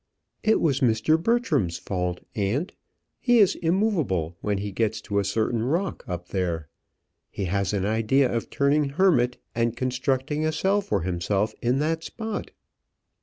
"It was Mr. Bertram's fault, aunt; he is immoveable when he gets to a certain rock up there. He has an idea of turning hermit, and constructing a cell for himself in that spot."